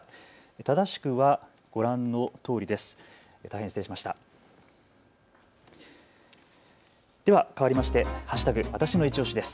正しくはご覧のとおりです。